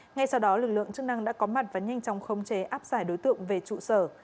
ngay sau đó lực lượng chức năng đã có mặt và nhanh chóng không chế áp giải đối tượng về trụ sở